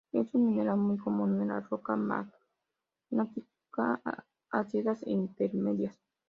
Es un mineral muy común en las roca magmática ácidas e intermedias.